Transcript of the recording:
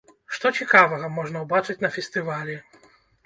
Што цікавага можна ўбачыць на фестывалі?